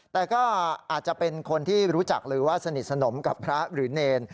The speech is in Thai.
แต่ก็อาจจะเป็นคนที่รู้จักหรือว่าสนิทสนมกับพระหรือเนร